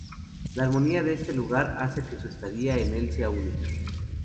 La armonía de este lugar hace que su estadía en el sea única.